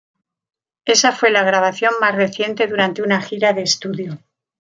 Esa fue la grabación más reciente durante una gira de estudio.